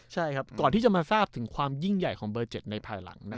ใช่ครับก่อนที่จะมาทราบถึงความยิ่งใหญ่ของเบอร์๗ในภายหลัง